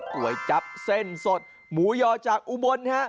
ก๋วยจับเส้นสดหมูยอจากอุบลฮะ